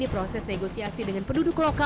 psn sudah tracking pak ya